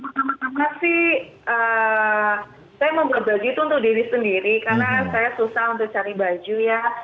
saya mau membuat baju itu untuk diri sendiri karena saya susah untuk cari baju ya